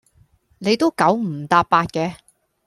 你都九唔搭八嘅